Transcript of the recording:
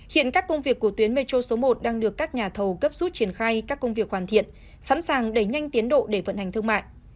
hiện các công việc của tuyến metro số một đang được các nhà thầu gấp rút triển khai các công việc hoàn thiện sẵn sàng đẩy nhanh tiến độ để vận hành thương mại